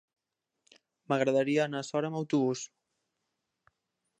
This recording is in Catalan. M'agradaria anar a Sora amb autobús.